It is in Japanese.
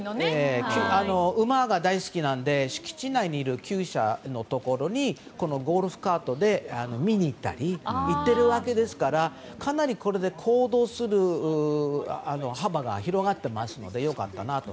馬が大好きなので敷地内の厩舎のところにゴルフカートで見に行ったりしてるわけですからかなり行動する幅が広がっていますので良かったなと。